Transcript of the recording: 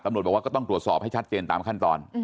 บอกว่าก็ต้องตรวจสอบให้ชัดเจนตามขั้นตอน